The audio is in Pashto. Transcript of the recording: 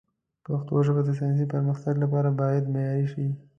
پښتو ژبه د ساینسي پرمختګ لپاره باید معیاري شي.